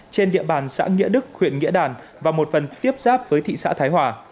trên địa bàn xã nghĩa đức huyện nghĩa đàn và một phần tiếp giáp với thị xã thái hòa